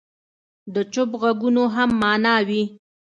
د چوپ ږغونو هم معنی وي.